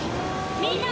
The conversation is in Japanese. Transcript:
◆みんな！